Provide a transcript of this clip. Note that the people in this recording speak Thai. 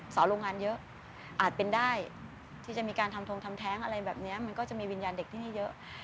โรงงานเยอะอาจเป็นได้ที่จะมีการทำทงทำแท้งอะไรแบบนี้มันก็จะมีวิญญาณเด็กที่นี่เยอะ